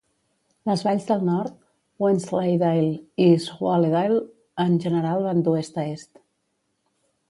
Les valls del nord, Wensleydale i Swaledale, en general van d'oest a est.